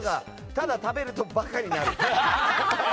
ただ、食べると馬鹿になる。